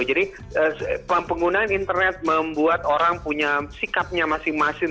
jadi penggunaan internet membuat orang punya sikapnya masing masing